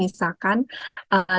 semakin banyak melarang misalkan